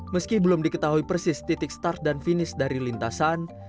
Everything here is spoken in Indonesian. meski belum diketahui persis titik start dan finish dari lintasan